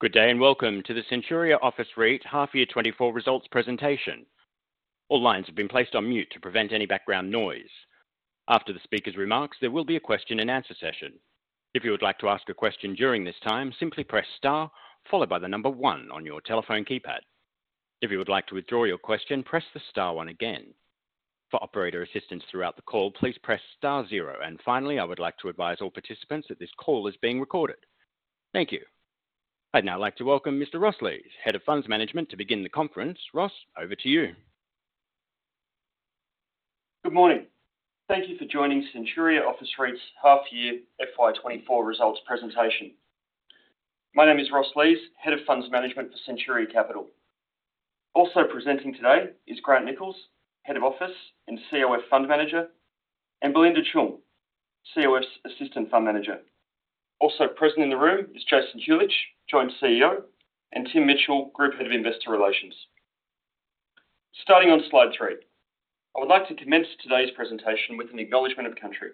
Good day and welcome to the Centuria Office REIT Half Year 2024 results presentation. All lines have been placed on mute to prevent any background noise. After the speaker's remarks, there will be a question and answer session. If you would like to ask a question during this time, simply press star followed by the number one on your telephone keypad. If you would like to withdraw your question, press the star one again. For operator assistance throughout the call, please press star 0. And finally, I would like to advise all participants that this call is being recorded. Thank you. I'd now like to welcome Mr. Ross Lees, Head of Funds Management, to begin the conference. Ross, over to you. Good morning. Thank you for joining Centuria Office REIT's Half Year FY 2024 results presentation. My name is Ross Lees, Head of Funds Management for Centuria Capital. Also presenting today is Grant Nichols, Head of Office and COF Fund Manager, and Belinda Cheung, COF's Assistant Fund Manager. Also present in the room is Jason Huljich, Joint CEO, and Tim Mitchell, Group Head of Investor Relations. Starting on slide 3, I would like to commence today's presentation with an acknowledgment of country.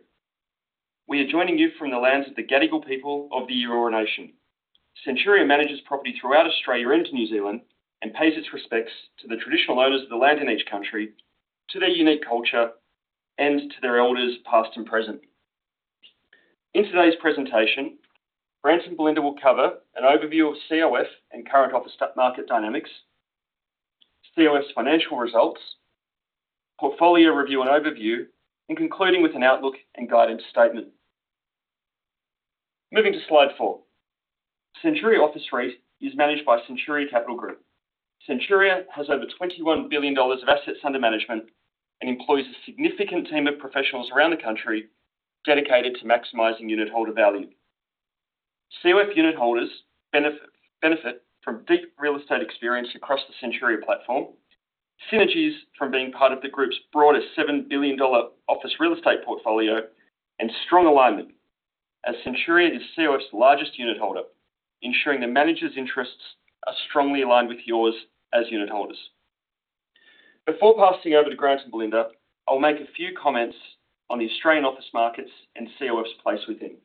We are joining you from the lands of the Gadigal people of the Eora Nation. Centuria manages property throughout Australia and New Zealand and pays its respects to the traditional owners of the land in each country, to their unique culture, and to their elders past and present. In today's presentation, Grant and Belinda will cover an overview of COF and current office market dynamics, COF's financial results, portfolio review and overview, and concluding with an outlook and guidance statement. Moving to slide 4, Centuria Office REIT is managed by Centuria Capital Group. Centuria has over 21 billion dollars of assets under management and employs a significant team of professionals around the country dedicated to maximizing unit holder value. COF unit holders benefit from deep real estate experience across the Centuria platform, synergies from being part of the group's broader 7 billion dollar office real estate portfolio, and strong alignment as Centuria is COF's largest unit holder, ensuring the manager's interests are strongly aligned with yours as unit holders. Before passing over to Grant and Belinda, I'll make a few comments on the Australian office markets and COF's place within.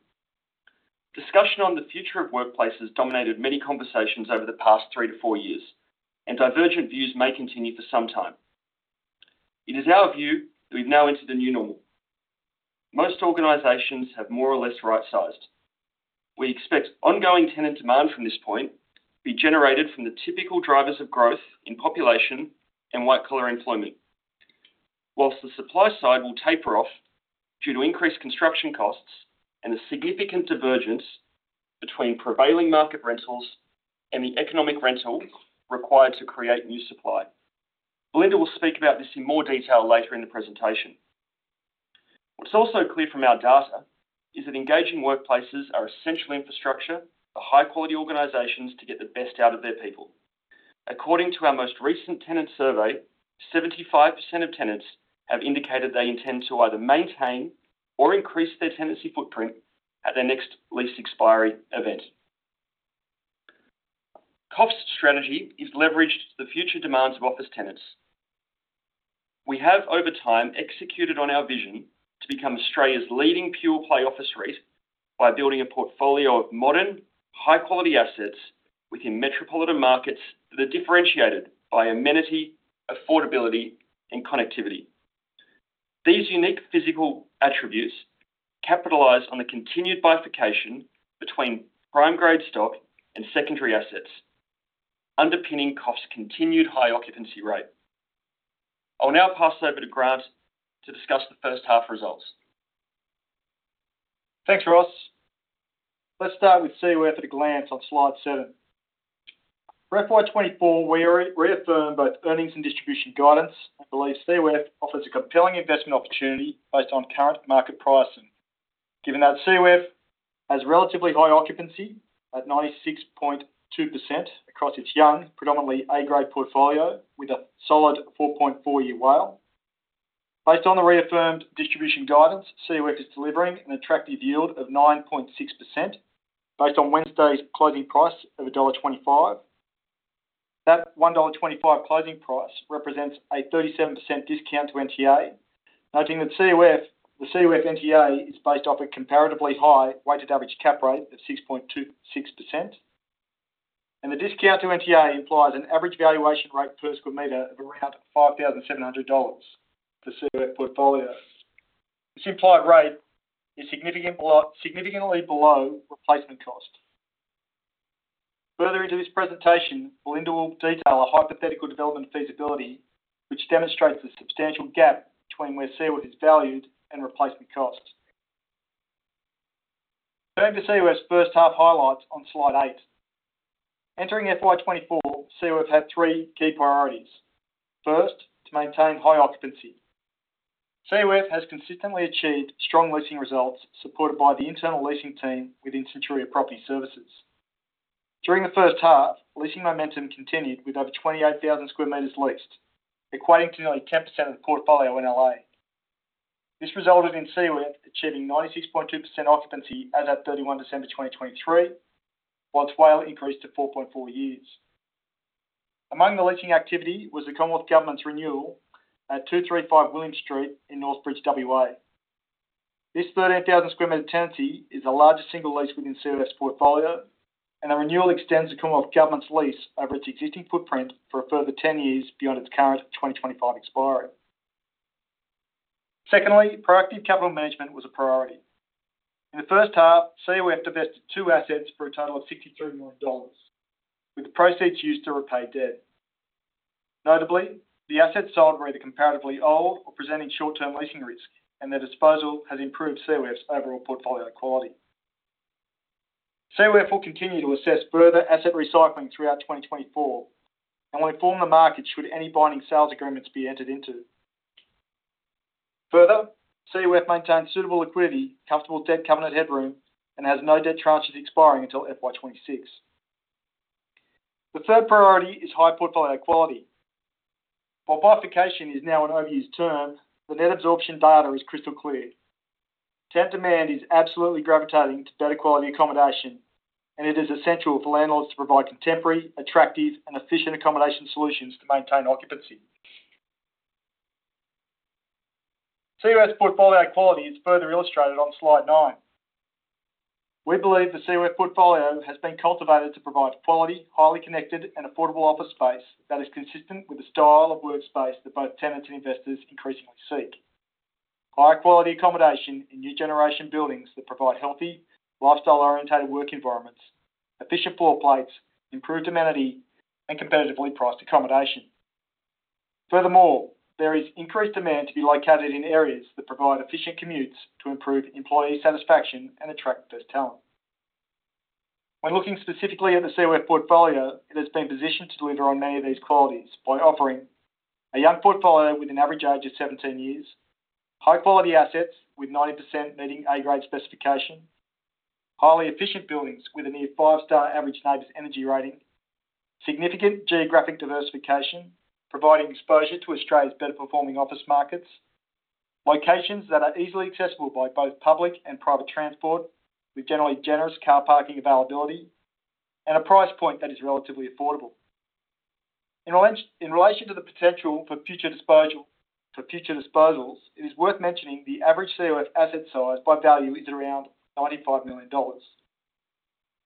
Discussion on the future of workplaces dominated many conversations over the past 3-4 years, and divergent views may continue for some time. It is our view that we've now entered a new normal. Most organizations have more or less right-sized. We expect ongoing tenant demand from this point to be generated from the typical drivers of growth in population and white-collar employment, while the supply side will taper off due to increased construction costs and the significant divergence between prevailing market rentals and the economic rental required to create new supply. Belinda will speak about this in more detail later in the presentation. What's also clear from our data is that engaging workplaces are essential infrastructure for high-quality organizations to get the best out of their people. According to our most recent tenant survey, 75% of tenants have indicated they intend to either maintain or increase their tenancy footprint at their next lease expiry event. COF's strategy is leveraged to the future demands of office tenants. We have, over time, executed on our vision to become Australia's leading pure-play office REIT by building a portfolio of modern, high-quality assets within metropolitan markets that are differentiated by amenity, affordability, and connectivity. These unique physical attributes capitalize on the continued bifurcation between prime-grade stock and secondary assets, underpinning COF's continued high occupancy rate. I'll now pass over to Grant to discuss the first half results. Thanks, Ross. Let's start with COF at a glance on slide 7. For FY 2024, we reaffirm both earnings and distribution guidance and believe COF offers a compelling investment opportunity based on current market pricing, given that COF has relatively high occupancy at 96.2% across its young, predominantly A-grade portfolio with a solid 4.4-year WALE. Based on the reaffirmed distribution guidance, COF is delivering an attractive yield of 9.6% based on Wednesday's closing price of dollar 1.25. That 1.25 dollar closing price represents a 37% discount to NTA, noting that the COF NTA is based off a comparatively high weighted average cap rate of 6.26%, and the discount to NTA implies an average valuation rate per square meter of around 5,700 dollars for COF portfolio. This implied rate is significantly below replacement cost. Further into this presentation, Belinda will detail a hypothetical development feasibility, which demonstrates the substantial gap between where COF is valued and replacement cost. Turning to COF's first half highlights on slide 8, entering FY 2024, COF had three key priorities. First, to maintain high occupancy. COF has consistently achieved strong leasing results supported by the internal leasing team within Centuria Property Services. During the first half, leasing momentum continued with over 28,000 square meters leased, equating to nearly 10% of the portfolio in NLA. This resulted in COF achieving 96.2% occupancy as of 31 December 2023, whilst WALE increased to 4.4 years. Among the leasing activity was the Commonwealth Government's renewal at 235 William Street in Northbridge, WA. This 13,000 square meter tenancy is the largest single lease within COF's portfolio, and the renewal extends the Commonwealth Government's lease over its existing footprint for a further 10 years beyond its current 2025 expiry. Secondly, proactive capital management was a priority. In the first half, COF divested two assets for a total of 63 million dollars, with the proceeds used to repay debt. Notably, the assets sold were either comparatively old or presenting short-term leasing risk, and their disposal has improved COF's overall portfolio quality. COF will continue to assess further asset recycling throughout 2024 and will inform the market should any binding sales agreements be entered into. Further, COF maintains suitable liquidity, comfortable debt covenant headroom, and has no debt tranches expiring until FY 2026. The third priority is high portfolio quality. While bifurcation is now an overused term, the net absorption data is crystal clear. Tenant demand is absolutely gravitating to better quality accommodations, and it is essential for landlords to provide contemporary, attractive, and efficient accommodations solutions to maintain occupancy. COF's portfolio quality is further illustrated on slide 9. We believe the COF portfolio has been cultivated to provide quality, highly connected, and affordable office space that is consistent with the style of workspace that both tenants and investors increasingly seek: higher quality accommodations in new-generation buildings that provide healthy, lifestyle-oriented work environments, efficient floor plates, improved amenity, and competitively priced accommodations. Furthermore, there is increased demand to be located in areas that provide efficient commutes to improve employee satisfaction and attract best talent. When looking specifically at the COF portfolio, it has been positioned to deliver on many of these qualities by offering: a young portfolio with an average age of 17 years, high-quality assets with 90% meeting A-grade specification, highly efficient buildings with a near five-star average NABERS rating, significant geographic diversification providing exposure to Australia's better-performing office markets, locations that are easily accessible by both public and private transport with generally generous car parking availability, and a price point that is relatively affordable. In relation to the potential for future disposals, it is worth mentioning the average COF asset size by value is around 95 million dollars.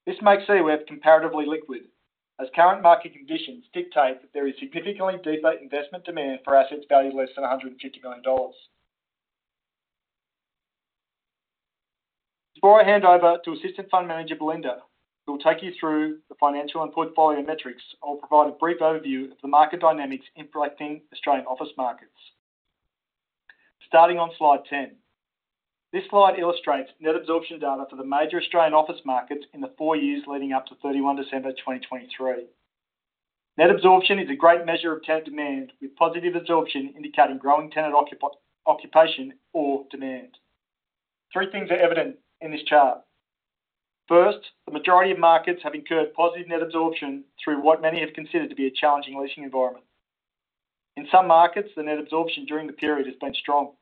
This makes COF comparatively liquid as current market conditions dictate that there is significantly deeper investment demand for assets valued less than 150 million dollars. Before I hand over to Assistant Fund Manager Belinda, who will take you through the financial and portfolio metrics, I will provide a brief overview of the market dynamics impacting Australian office markets. Starting on slide 10, this slide illustrates net absorption data for the major Australian office markets in the four years leading up to 31 December 2023. Net absorption is a great measure of tenant demand, with positive absorption indicating growing tenant occupation or demand. Three things are evident in this chart. First, the majority of markets have incurred positive net absorption through what many have considered to be a challenging leasing environment. In some markets, the net absorption during the period has been strong.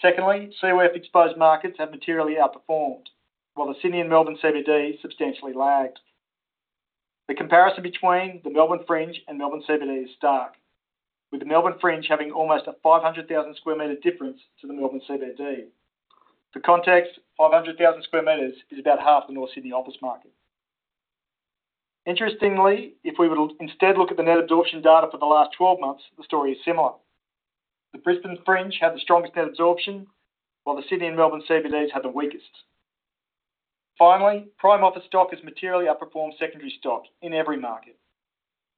Secondly, COF-exposed markets have materially outperformed, while the Sydney and Melbourne CBD substantially lagged. The comparison between the Melbourne Fringe and Melbourne CBD is stark, with the Melbourne Fringe having almost a 500,000 square meter difference to the Melbourne CBD. For context, 500,000 square meters is about half the North Sydney office market. Interestingly, if we would instead look at the net absorption data for the last 12 months, the story is similar. The Brisbane Fringe had the strongest net absorption, while the Sydney and Melbourne CBDs had the weakest. Finally, prime office stock has materially outperformed secondary stock in every market.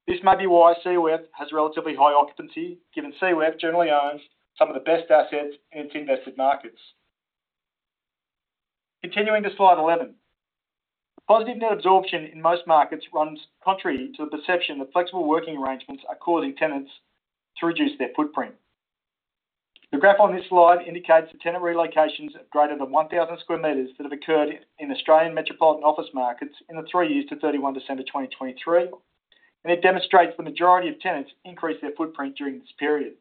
This may be why COF has relatively high occupancy, given COF generally owns some of the best assets in its invested markets. Continuing to slide 11, positive net absorption in most markets runs contrary to the perception that flexible working arrangements are causing tenants to reduce their footprint. The graph on this slide indicates the tenant relocations of greater than 1,000 square meters that have occurred in Australian metropolitan office markets in the three years to 31 December 2023, and it demonstrates the majority of tenants increase their footprint during this period.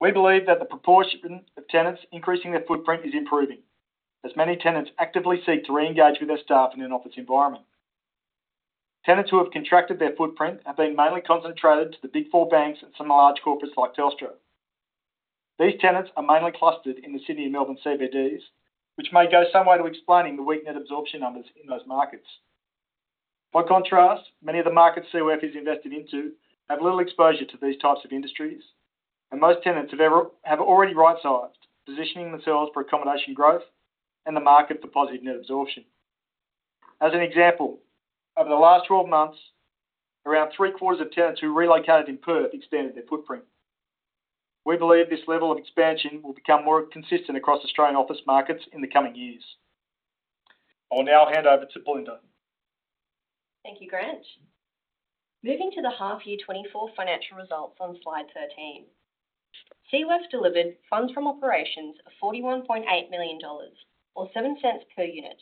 We believe that the proportion of tenants increasing their footprint is improving as many tenants actively seek to re-engage with their staff in an office environment. Tenants who have contracted their footprint have been mainly concentrated to the Big Four banks and some large corporates like Telstra. These tenants are mainly clustered in the Sydney and Melbourne CBDs, which may go some way to explaining the weak net absorption numbers in those markets. By contrast, many of the markets COF is invested into have little exposure to these types of industries, and most tenants have already right-sized positioning themselves for accommodation growth and the market for positive net absorption. As an example, over the last 12 months, around three-quarters of tenants who relocated in Perth expanded their footprint. We believe this level of expansion will become more consistent across Australian office markets in the coming years. I will now hand over to Belinda. Thank you, Grant. Moving to the half year 2024 financial results on slide 13, COF delivered funds from operations of 41.8 million dollars or 0.07 per unit.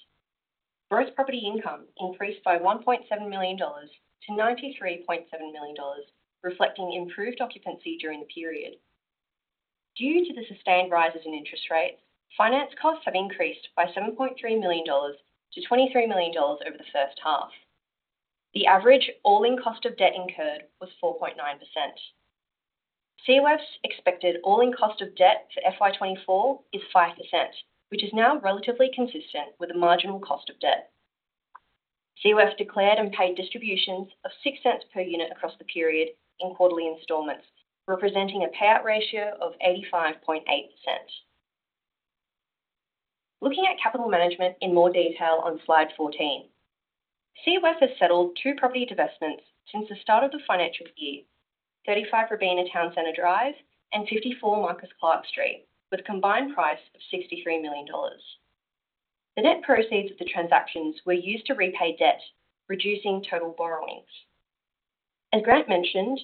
Gross property income increased by 1.7 million dollars to 93.7 million dollars, reflecting improved occupancy during the period. Due to the sustained rises in interest rates, finance costs have increased by 7.3 million dollars to 23 million dollars over the first half. The average all-in cost of debt incurred was 4.9%. COF's expected all-in cost of debt for FY 2024 is 5%, which is now relatively consistent with the marginal cost of debt. COF declared and paid distributions of 0.06 per unit across the period in quarterly installments, representing a payout ratio of 85.8%. Looking at capital management in more detail on slide 14, COF has settled two property divestments since the start of the financial year: 35 Robina Town Centre Drive and 54 Marcus Clarke Street, with a combined price of 63 million dollars. The net proceeds of the transactions were used to repay debt, reducing total borrowings. As Grant mentioned,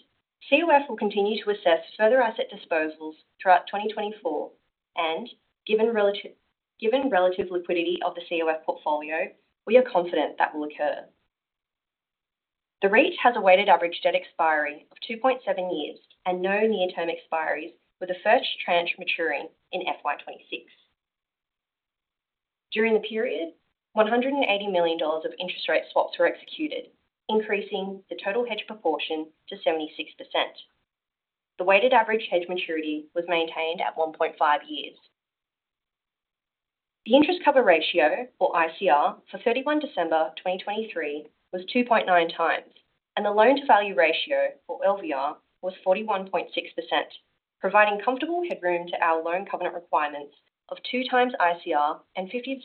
COF will continue to assess further asset disposals throughout 2024 and, given relative liquidity of the COF portfolio, we are confident that will occur. The REIT has a weighted average debt expiry of 2.7 years and no near-term expiries, with the first tranche maturing in FY 2026. During the period, 180 million dollars of interest rate swaps were executed, increasing the total hedge proportion to 76%. The weighted average hedge maturity was maintained at 1.5 years. The interest cover ratio, or ICR, for 31 December 2023 was 2.9 times, and the loan-to-value ratio, or LVR, was 41.6%, providing comfortable headroom to our loan covenant requirements of 2 times ICR and 50%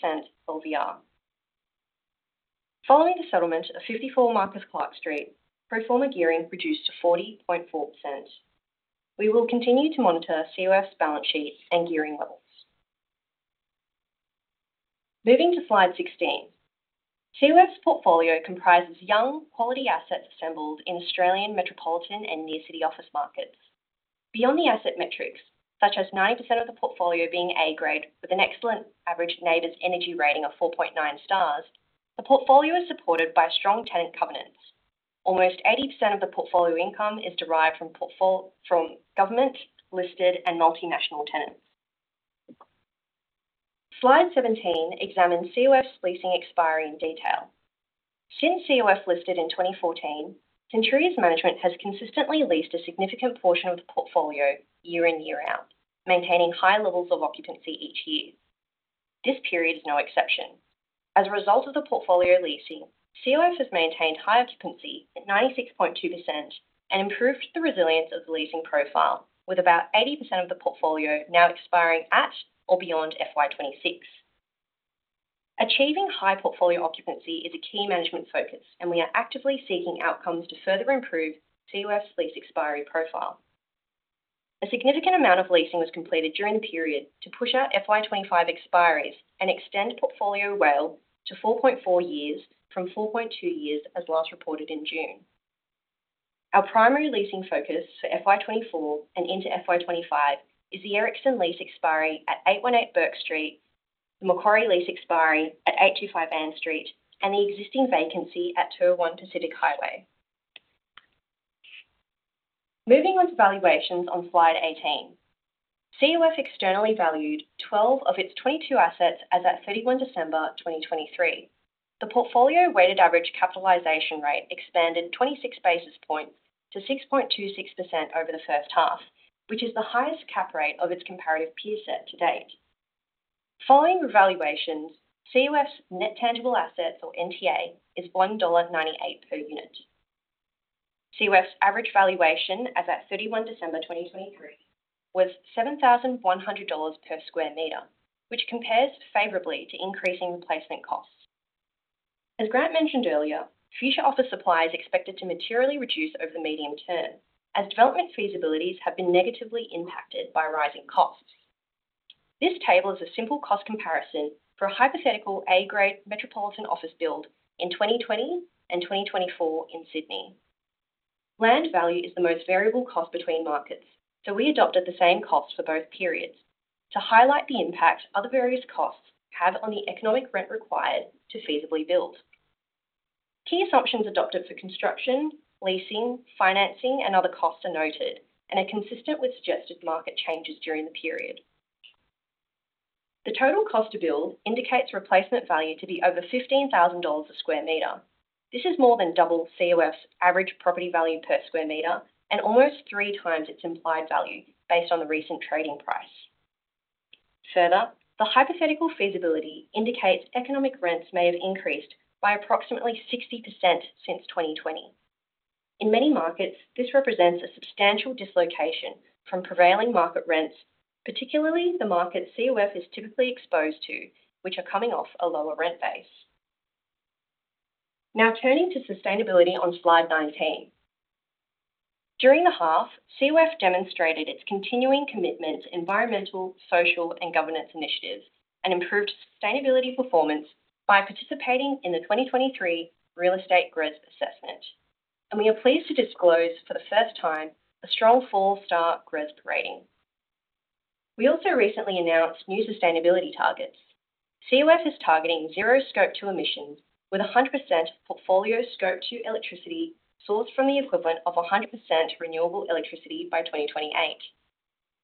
LVR. Following the settlement of 54 Marcus Clarke Street, pro forma gearing reduced to 40.4%. We will continue to monitor COF's balance sheet and gearing levels. Moving to slide 16, COF's portfolio comprises young, quality assets assembled in Australian metropolitan and near-city office markets. Beyond the asset metrics, such as 90% of the portfolio being A-grade with an excellent average NABERS rating of 4.9 stars, the portfolio is supported by strong tenant covenants. Almost 80% of the portfolio income is derived from government, listed, and multinational tenants. Slide 17 examines COF's leasing expiry in detail. Since COF listed in 2014, Centuria's management has consistently leased a significant portion of the portfolio year in, year out, maintaining high levels of occupancy each year. This period is no exception. As a result of the portfolio leasing, COF has maintained high occupancy at 96.2% and improved the resilience of the leasing profile, with about 80% of the portfolio now expiring at or beyond FY 2026. Achieving high portfolio occupancy is a key management focus, and we are actively seeking outcomes to further improve COF's lease expiry profile. A significant amount of leasing was completed during the period to push out FY 2025 expiries and extend portfolio WALE to 4.4 years from 4.2 years as last reported in June. Our primary leasing focus for FY 2024 and into FY 2025 is the Ericsson Lease expiry at 818 Bourke Street, the Macquarie Lease expiry at 825 Ann Street, and the existing vacancy at 201 Pacific Highway. Moving on to valuations on slide 18, COF externally valued 12 of its 22 assets as of 31 December 2023. The portfolio weighted average capitalization rate expanded 26 basis points to 6.26% over the first half, which is the highest cap rate of its comparative peer set to date. Following revaluations, COF's net tangible assets, or NTA, is 1.98 dollar per unit. COF's average valuation as of 31 December 2023 was 7,100 dollars per square meter, which compares favorably to increasing replacement costs. As Grant mentioned earlier, future office supply is expected to materially reduce over the medium term as development feasibilities have been negatively impacted by rising costs. This table is a simple cost comparison for a hypothetical A-grade metropolitan office build in 2020 and 2024 in Sydney. Land value is the most variable cost between markets, so we adopted the same costs for both periods to highlight the impact other various costs have on the economic rent required to feasibly build. Key assumptions adopted for construction, leasing, financing, and other costs are noted and are consistent with suggested market changes during the period. The total cost to build indicates replacement value to be over 15,000 dollars a square meter. This is more than double COF's average property value per square meter and almost three times its implied value based on the recent trading price. Further, the hypothetical feasibility indicates economic rents may have increased by approximately 60% since 2020. In many markets, this represents a substantial dislocation from prevailing market rents, particularly the markets COF is typically exposed to, which are coming off a lower rent base. Now turning to sustainability on slide 19. During the half, COF demonstrated its continuing commitment to environmental, social, and governance initiatives and improved sustainability performance by participating in the 2023 GRESB Assessment, and we are pleased to disclose for the first time a strong 4-star GRESB rating. We also recently announced new sustainability targets. COF is targeting zero Scope 2 emissions with 100% portfolio Scope 2 electricity sourced from the equivalent of 100% renewable electricity by 2028.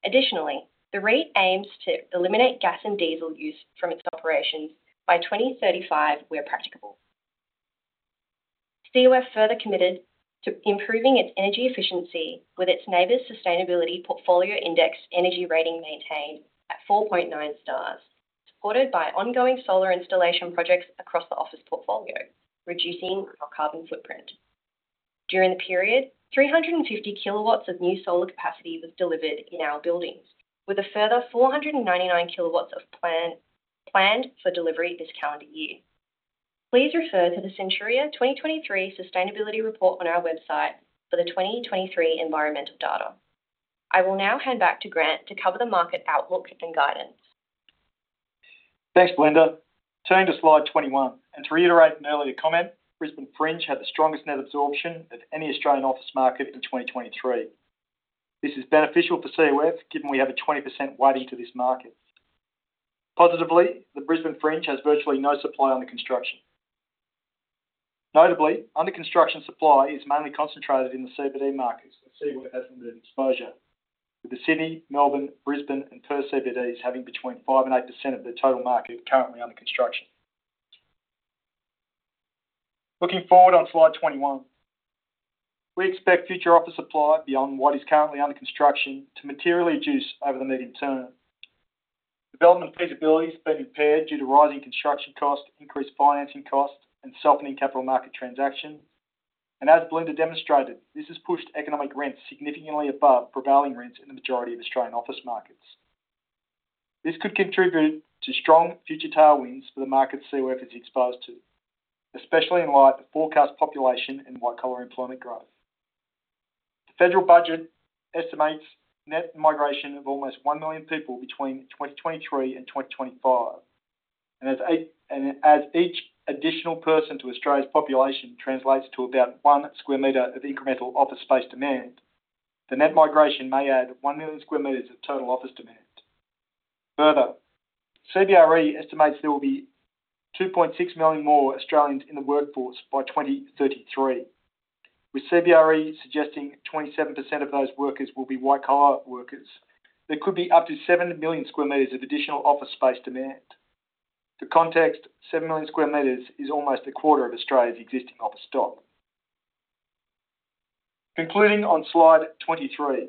Additionally, the REIT aims to eliminate gas and diesel use from its operations by 2035 where practicable. COF further committed to improving its energy efficiency with its NABERS Sustainability Portfolio Index energy rating maintained at 4.9 stars, supported by ongoing solar installation projects across the office portfolio, reducing our carbon footprint. During the period, 350 kW of new solar capacity was delivered in our buildings, with a further 499 kW planned for delivery this calendar year. Please refer to the Centuria 2023 Sustainability Report on our website for the 2023 environmental data. I will now hand back to Grant to cover the market outlook and guidance. Thanks, Belinda. Turning to slide 21, and to reiterate an earlier comment, Brisbane Fringe had the strongest net absorption of any Australian office market in 2023. This is beneficial for COF, given we have a 20% weighting to this market. Positively, the Brisbane Fringe has virtually no supply under construction. Notably, under-construction supply is mainly concentrated in the CBD markets, where COF has limited exposure, with the Sydney, Melbourne, Brisbane, and Perth CBDs having between 5% and 8% of their total market currently under construction. Looking forward on slide 21, we expect future office supply beyond what is currently under construction to materially reduce over the medium term. Development feasibility has been impaired due to rising construction costs, increased financing costs, and softening capital market transactions, and as Belinda demonstrated, this has pushed economic rents significantly above prevailing rents in the majority of Australian office markets. This could contribute to strong future tailwinds for the markets COF is exposed to, especially in light of forecast population and white-collar employment growth. The federal budget estimates net migration of almost 1 million people between 2023 and 2025, and as each additional person to Australia's population translates to about 1 square meter of incremental office space demand, the net migration may add 1 million square meters of total office demand. Further, CBRE estimates there will be 2.6 million more Australians in the workforce by 2033. With CBRE suggesting 27% of those workers will be white-collar workers, there could be up to 7 million square meters of additional office space demand. For context, 7 million square meters is almost a quarter of Australia's existing office stock. Concluding on slide 23,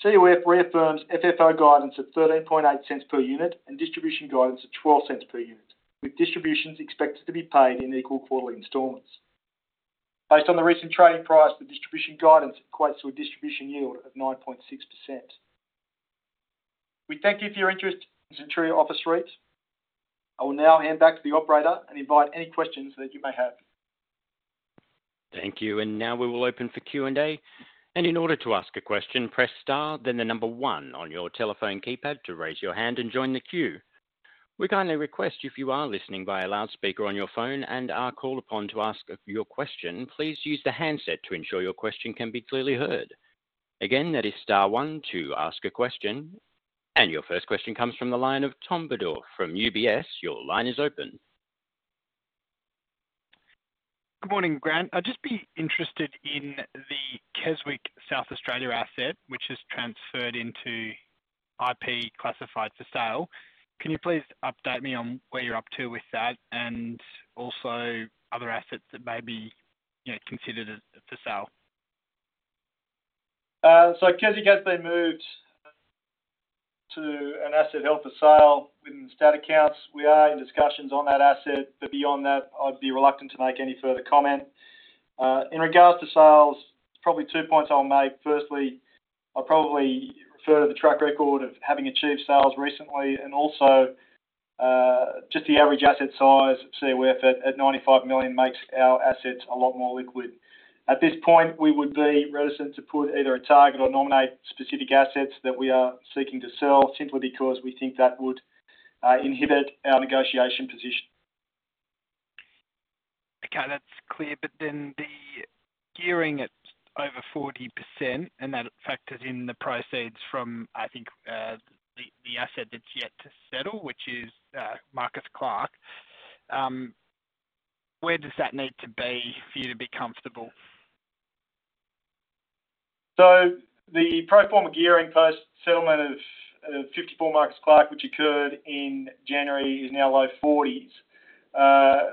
COF reaffirms FFO guidance of 0.138 per unit and distribution guidance of 0.12 per unit, with distributions expected to be paid in equal quarterly installments. Based on the recent trading price, the distribution guidance equates to a distribution yield of 9.6%. We thank you for your interest in Centuria Office REIT. I will now hand back to the operator and invite any questions that you may have. Thank you. Now we will open for Q&A. In order to ask a question, press star, then the number 1 on your telephone keypad to raise your hand and join the queue. We kindly request if you are listening via loudspeaker on your phone and are called upon to ask your question, please use the handset to ensure your question can be clearly heard. Again, that is star 1 to ask a question. Your first question comes from the line of Tom Bodor from UBS. Your line is open. Good morning, Grant. I'd just be interested in the Keswick, South Australia asset, which has transferred into IP classified for sale. Can you please update me on where you're up to with that and also other assets that may be considered for sale? So Keswick has been moved to an asset held for sale within the state accounts. We are in discussions on that asset, but beyond that, I'd be reluctant to make any further comment. In regards to sales, probably two points I'll make. Firstly, I'd probably refer to the track record of having achieved sales recently and also just the average asset size of COF at 95 million makes our assets a lot more liquid. At this point, we would be reticent to put either a target or nominate specific assets that we are seeking to sell simply because we think that would inhibit our negotiation position. Okay. That's clear. But then the gearing at over 40%, and that factors in the proceeds from, I think, the asset that's yet to settle, which is Marcus Clarke. Where does that need to be for you to be comfortable? So the pro forma gearing post-settlement of 54 Marcus Clarke, which occurred in January, is now low 40s.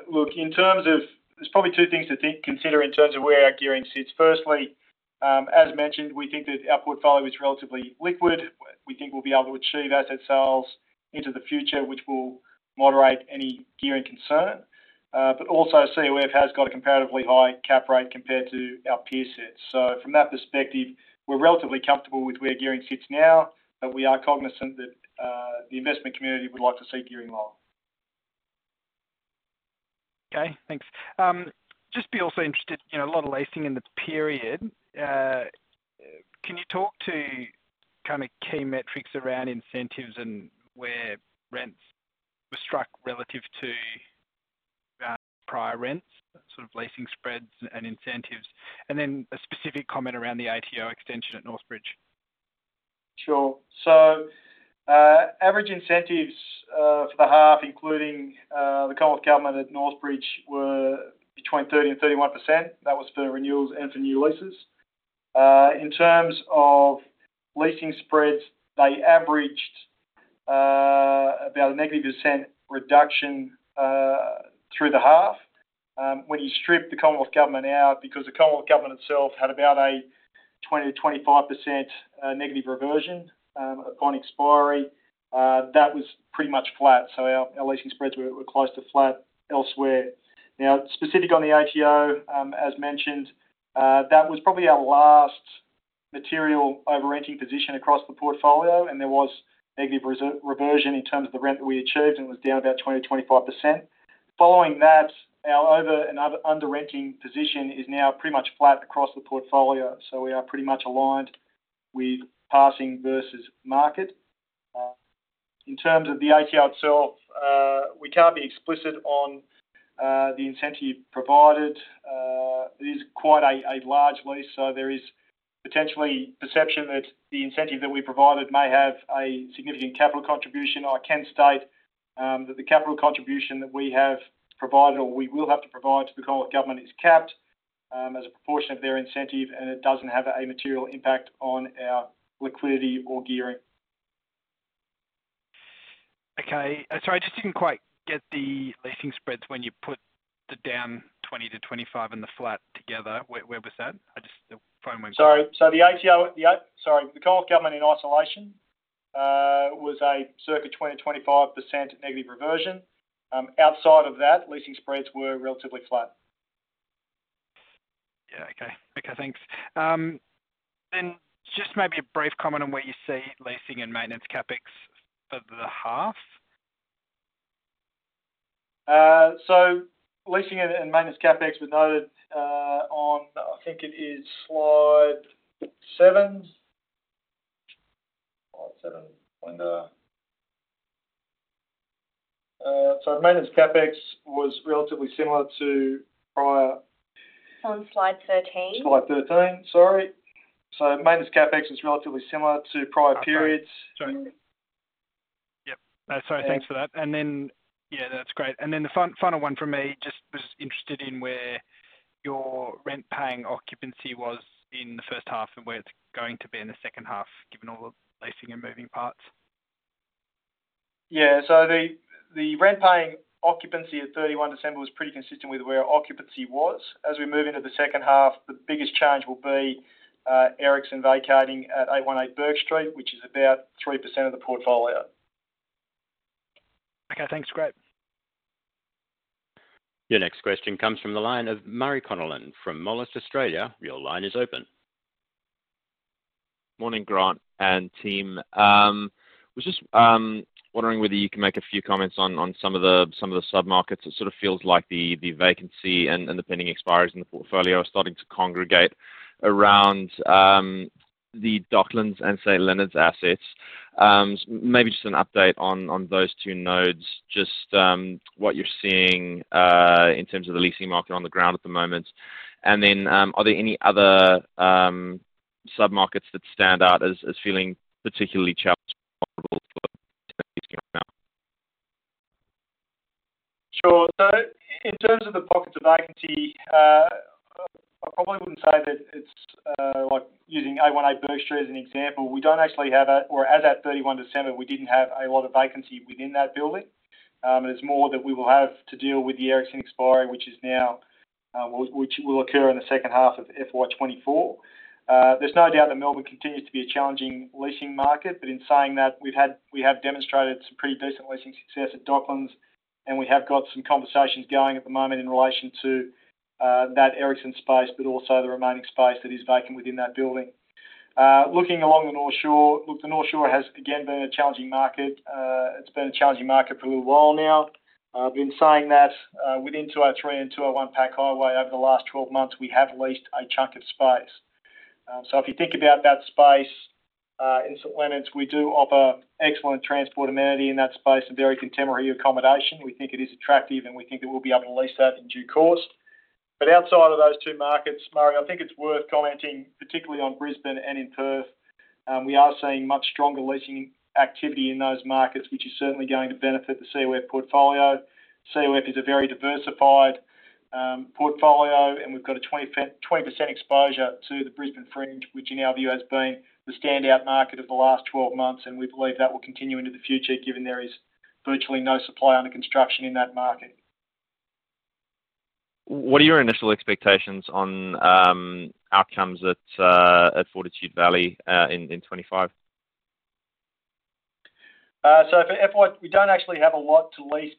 Look, in terms of there's probably two things to consider in terms of where our gearing sits. Firstly, as mentioned, we think that our portfolio is relatively liquid. We think we'll be able to achieve asset sales into the future, which will moderate any gearing concern. But also, COF has got a comparatively high cap rate compared to our peer sets. So from that perspective, we're relatively comfortable with where gearing sits now, but we are cognizant that the investment community would like to see gearing lower. Okay. Thanks. Just be also interested, a lot of leasing in the period. Can you talk to kind of key metrics around incentives and where rents were struck relative to prior rents, sort of leasing spreads and incentives, and then a specific comment around the ATO extension at Northbridge? Sure. So average incentives for the half, including the Commonwealth Government at Northbridge, were between 30% and 31%. That was for renewals and for new leases. In terms of leasing spreads, they averaged about a -1% reduction through the half. When you strip the Commonwealth Government out because the Commonwealth Government itself had about a 20%-25% negative reversion upon expiry, that was pretty much flat. So our leasing spreads were close to flat elsewhere. Now, specific on the ATO, as mentioned, that was probably our last material over-renting position across the portfolio, and there was negative reversion in terms of the rent that we achieved, and it was down about 20%-25%. Following that, our over and under-renting position is now pretty much flat across the portfolio, so we are pretty much aligned with passing versus market. In terms of the ATO itself, we can't be explicit on the incentive provided. It is quite a large lease, so there is potentially perception that the incentive that we provided may have a significant capital contribution. I can state that the capital contribution that we have provided or we will have to provide to the Commonwealth Government is capped as a proportion of their incentive, and it doesn't have a material impact on our liquidity or gearing. Okay. Sorry, I just didn't quite get the leasing spreads when you put the down 20-25 and the flat together. Where was that? The phone went cut off. Sorry. So the ATO, sorry, the Commonwealth Government in isolation was a circa 20%-25% negative reversion. Outside of that, leasing spreads were relatively flat. Yeah. Okay. Okay. Thanks. Then just maybe a brief comment on where you see leasing and maintenance CapEx for the half. So leasing and maintenance CapEx were noted on, I think it is slide 7. Slide 7, Belinda. So maintenance CapEx was relatively similar to prior. On slide 13. Slide 13, sorry. So maintenance CapEx was relatively similar to prior periods. Okay. Yep. Sorry. Thanks for that. And then, yeah, that's great. And then the final one from me, just was interested in where your rent-paying occupancy was in the first half and where it's going to be in the second half, given all the leasing and moving parts? Yeah. So the rent-paying occupancy at 31 December was pretty consistent with where occupancy was. As we move into the second half, the biggest change will be Ericsson vacating at 818 Bourke Street, which is about 3% of the portfolio. Okay. Thanks. Great. Your next question comes from the line of Murray Connellan from Moelis Australia. Your line is open. Morning, Grant and team. I was just wondering whether you can make a few comments on some of the submarkets. It sort of feels like the vacancy and the pending expiries in the portfolio are starting to congregate around the Docklands and St Leonards assets. Maybe just an update on those two nodes, just what you're seeing in terms of the leasing market on the ground at the moment. And then are there any other submarkets that stand out as feeling particularly challenged or vulnerable for leasing right now? Sure. So in terms of the pockets of vacancy, I probably wouldn't say that it's using 818 Bourke Street as an example. We don't actually have, as at 31 December, we didn't have a lot of vacancy within that building. It's more that we will have to deal with the Ericsson expiry, which will occur in the second half of FY24. There's no doubt that Melbourne continues to be a challenging leasing market, but in saying that, we have demonstrated some pretty decent leasing success at Docklands, and we have got some conversations going at the moment in relation to that Ericsson space, but also the remaining space that is vacant within that building. Looking along the North Shore, look, the North Shore has, again, been a challenging market. It's been a challenging market for a little while now. But in saying that, within 203 and 201 Pacific Highway over the last 12 months, we have leased a chunk of space. So if you think about that space in St Leonards, we do offer excellent transport amenity in that space and very contemporary accommodation. We think it is attractive, and we think that we'll be able to lease that in due course. But outside of those two markets, Murray, I think it's worth commenting, particularly on Brisbane and in Perth, we are seeing much stronger leasing activity in those markets, which is certainly going to benefit the COF portfolio. COF is a very diversified portfolio, and we've got a 20% exposure to the Brisbane Fringe, which in our view has been the standout market of the last 12 months, and we believe that will continue into the future, given there is virtually no supply under construction in that market. What are your initial expectations on outcomes at Fortitude Valley in 2025? So for FY, we don't actually have a lot to lease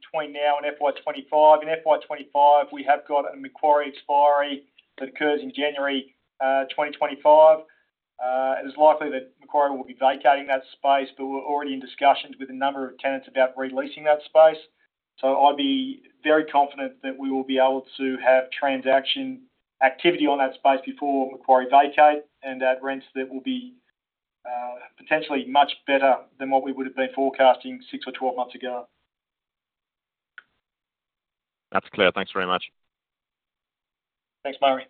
between now and FY25. In FY25, we have got a Macquarie expiry that occurs in January 2025. It is likely that Macquarie will be vacating that space, but we're already in discussions with a number of tenants about releasing that space. So I'd be very confident that we will be able to have transaction activity on that space before Macquarie vacate and at rents that will be potentially much better than what we would have been forecasting 6 or 12 months ago. That's clear. Thanks very much. Thanks, Murray.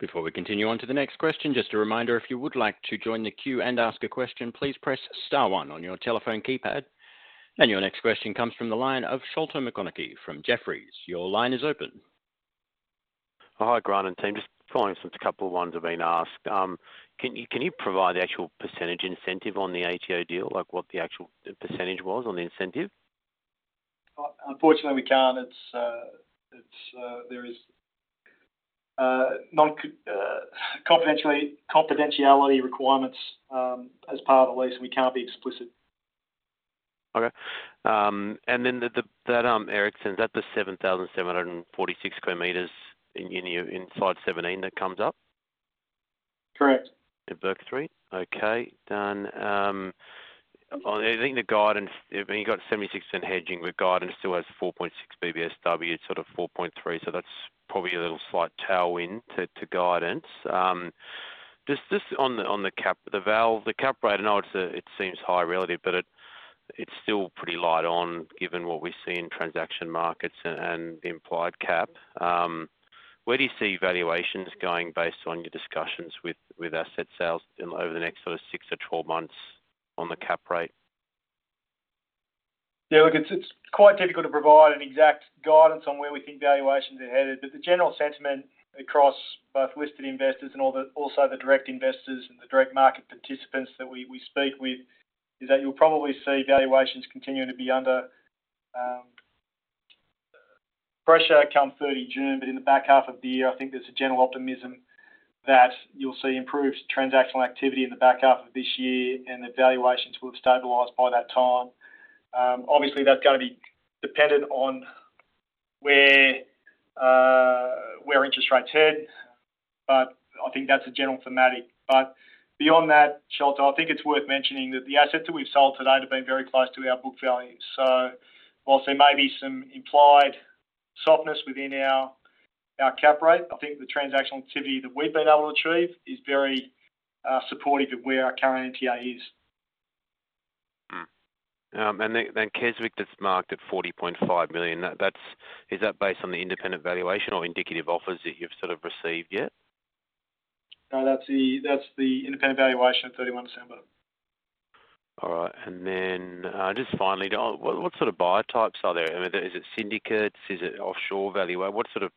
Before we continue on to the next question, just a reminder, if you would like to join the queue and ask a question, please press star 1 on your telephone keypad. And your next question comes from the line of Sholto Maconochie from Jefferies. Your line is open. Hi, Grant and team. Just following some couple of ones that have been asked. Can you provide the actual percentage incentive on the ATO deal, what the actual percentage was on the incentive? Unfortunately, we can't. There is confidentiality requirements as part of the lease, and we can't be explicit. Okay. And then that Ericsson, is that the 7,746 square meters inside 17 that comes up? Correct. At Bourke Street? Okay. Done. I think the guidance, I mean, you've got 76% hedging, but guidance still has 4.6 BBSW, sort of 4.3. So that's probably a little slight tailwind to guidance. Just on the WALE, the cap rate, I know it seems high, really, but it's still pretty light on, given what we see in transaction markets and the implied cap. Where do you see valuations going based on your discussions with asset sales over the next sort of 6 or 12 months on the cap rate? Yeah. Look, it's quite difficult to provide an exact guidance on where we think valuations are headed, but the general sentiment across both listed investors and also the direct investors and the direct market participants that we speak with is that you'll probably see valuations continuing to be under pressure come 30 June. But in the back half of the year, I think there's a general optimism that you'll see improved transactional activity in the back half of this year, and that valuations will have stabilised by that time. Obviously, that's going to be dependent on where interest rates head, but I think that's a general thematic. But beyond that, Sholto, I think it's worth mentioning that the assets that we've sold today have been very close to our book value. While there may be some implied softness within our cap rate, I think the transactional activity that we've been able to achieve is very supportive of where our current NTA is. And then Keswick that's marked at 40.5 million, is that based on the independent valuation or indicative offers that you've sort of received yet? No, that's the independent valuation at 31 December. All right. And then just finally, what sort of buyer types are there? I mean, is it syndicates? Is it offshore value? What sort of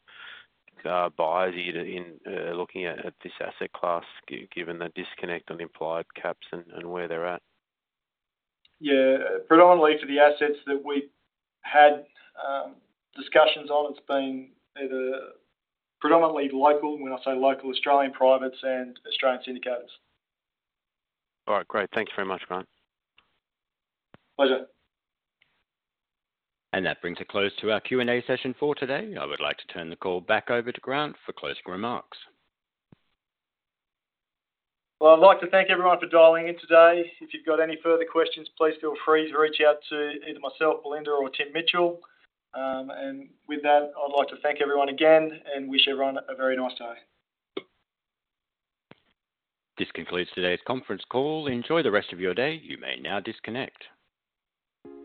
buyers are you looking at this asset class, given the disconnect on implied caps and where they're at? Yeah. Predominantly, for the assets that we had discussions on, it's been predominantly local. When I say local, Australian privates and Australian syndicates. All right. Great. Thanks very much, Grant. Pleasure. That brings a close to our Q&A session for today. I would like to turn the call back over to Grant for closing remarks. Well, I'd like to thank everyone for dialing in today. If you've got any further questions, please feel free to reach out to either myself, Belinda, or Tim Mitchell. With that, I'd like to thank everyone again and wish everyone a very nice day. This concludes today's conference call. Enjoy the rest of your day. You may now disconnect.